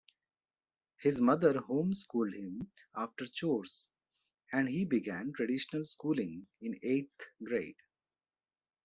His mother home-schooled him after chores, and he began traditional schooling in eighth grade.